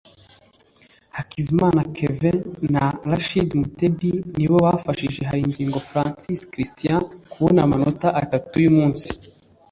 Hakizimana Kevin na Rachid Mutebi ni bo bafashije Haringingo Francis Christian kubona amanota atatu y'umunsi